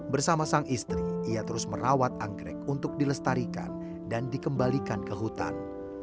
bersama sang istri ia terus merawat anggrek untuk dilestarikan dan dikembalikan ke hutan